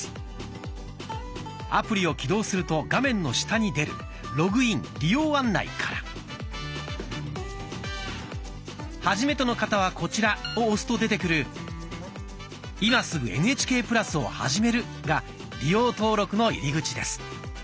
アプリを起動すると画面の下に出る「ログイン・利用案内」から「はじめての方はこちら」を押すと出てくる「今すぐＮＨＫプラスをはじめる」が利用登録の入り口です。